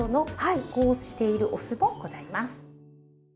加工しているお酢もございます。